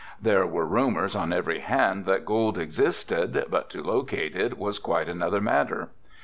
There were rumors on every hand that gold existed but to locate it was quite another matter.